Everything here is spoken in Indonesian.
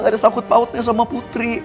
gak ada sangkut pautnya sama putri